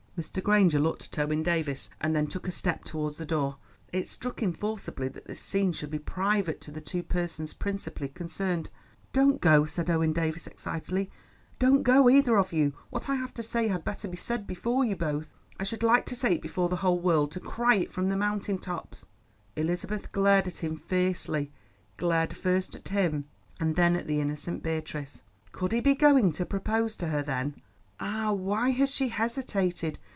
Mr. Granger looked at Owen Davies and then took a step towards the door. It struck him forcibly that this scene should be private to the two persons principally concerned. "Don't go," said Owen Davies excitedly, "don't go, either of you; what I have to say had better be said before you both. I should like to say it before the whole world; to cry it from the mountain tops." Elizabeth glared at him fiercely—glared first at him and then at the innocent Beatrice. Could he be going to propose to her, then? Ah, why had she hesitated?